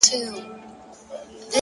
اراده د شکونو تر ټولو لنډه لاره پرې کوي،